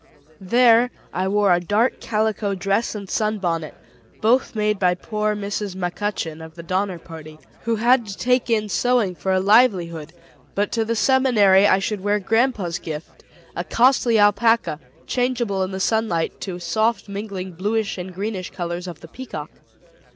There, I wore a dark calico dress and sun bonnet, both made by poor Mrs. McCutchen of the Donner Party, who had to take in sewing for a livelihood; but to the Seminary, I should wear grandpa's gift, a costly alpaca, changeable in the sunlight to soft mingling bluish and greenish colors of the peacock.